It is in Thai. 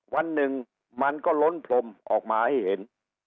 วันหนึ่งมันก็ล้นพรมออกมาให้เห็น